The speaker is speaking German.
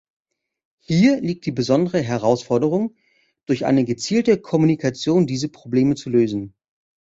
Hier liegt die besondere Herausforderung, durch eine gezielte Kommunikation diese Probleme zu lösen.